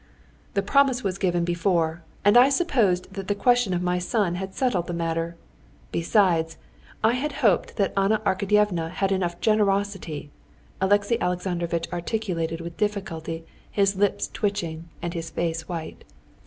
"The promise was given before. And I had supposed that the question of my son had settled the matter. Besides, I had hoped that Anna Arkadyevna had enough generosity...." Alexey Alexandrovitch articulated with difficulty, his lips twitching and his face white.